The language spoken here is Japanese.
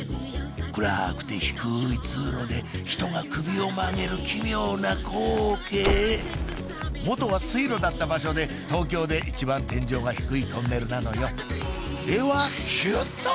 暗くて低い通路で人が首を曲げる奇妙な光景元は水路だった場所で東京で一番天井が低いトンネルなのよではヒュっと！